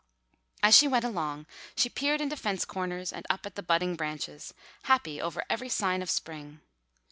As she went along she peered into fence corners and up at the budding branches, happy over every sign of spring.